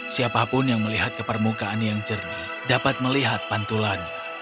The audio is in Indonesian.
siapa pun yang melihat ke permukaan yang jernih dapat melihat pantulannya